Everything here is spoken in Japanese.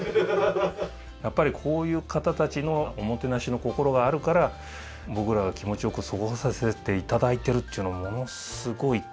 やっぱりこういう方たちのおもてなしの心があるから僕らが気持ちよく過ごさせて頂いてるっていうのをものすごい感じますね。